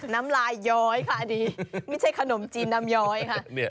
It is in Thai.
น้ำลายย้อยค่ะอันนี้ไม่ใช่ขนมจีนน้ำย้อยค่ะ